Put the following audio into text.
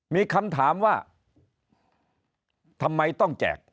มีคำถามว่าทำไมต้องแจก